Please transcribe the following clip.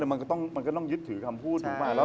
มันก็ต้องมันก็ต้องยึดถือการพูดมา